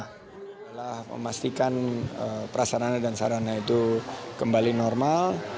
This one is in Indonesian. pertama adalah memastikan prasarana dan sarana itu kembali normal